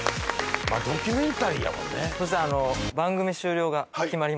ドキュメンタリーやもんね